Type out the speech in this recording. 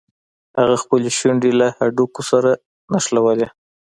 هغه خپلې شونډې له هډوکي سره نښلوي.